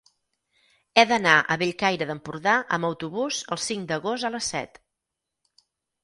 He d'anar a Bellcaire d'Empordà amb autobús el cinc d'agost a les set.